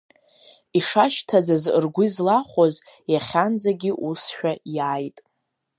Ишашьҭаӡаз ргәы излахәоз, иахьанӡагьы усшәа иааит.